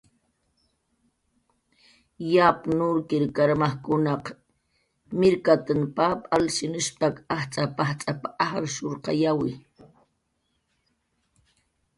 "Yapn nurkir karmajkunaq mirkatn pap alshinushstak ajtz'ap"" ajtz'ap"" ajrshuurqayawi."